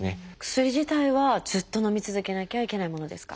薬自体はずっとのみ続けなきゃいけないものですか？